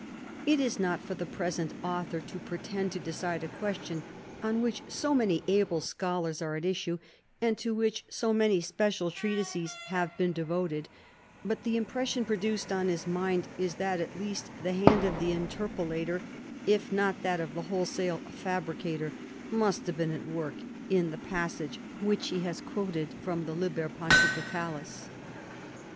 It is not for the present author to pretend to de cide a question on which so many able scholars are at issue, and to which so many special treatises have been devoted ; but the impression produced on his mind is that at least the hand of the interpolator, if not that of the wholesale fabricator, must have been at work in the passage which he has quoted from the Liber Pontificalis.